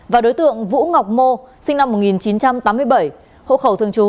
và đối tượng vũ ngọc mô sinh năm một nghìn chín trăm tám mươi bảy hộ khẩu thường trú